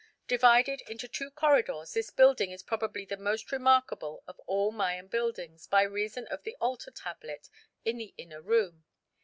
Divided into two corridors, this building is probably the most remarkable of all Mayan buildings, by reason of the altar tablet in the inner room.